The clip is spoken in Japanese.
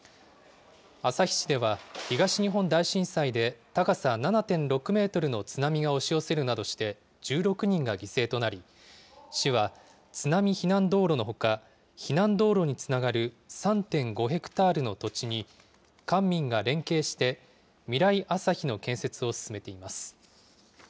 旭市では、東日本大震災で高さ７．６メートルの津波が押し寄せるなどして、１６人が犠牲となり、市は、津波避難道路のほか、避難道路につながる３．５ヘクタールの土地に、官民が連携してみらいあさひの建設を進めています。